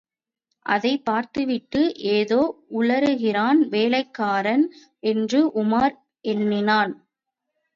அதைப் பார்த்துவிட்டு ஏதோ உளறுகிறான் வேலைக்காரன் என்று உமார் எண்ணினான்.